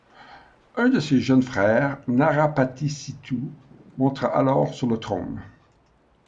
Un de ses jeunes frères, Narapatisithu, monta alors sur le trône.